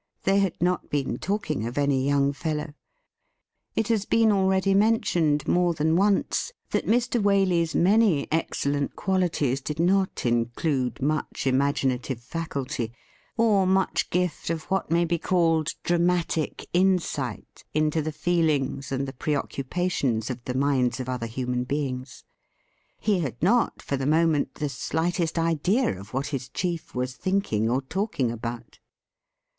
They had not been talking of any young fellow. It has been already mentioned more than once that Mr. Waley's many excellent qualities did not include much imaginative faculty, or much gift of what may be called dramatic insight into the feelings and the preoccupations of the minds of other human beings. He had not for the moment the slightest idea of what his chief was thinking or talking about.